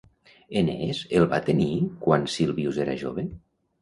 Enees el va tenir quan Silvius era jove?